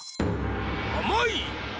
あまい！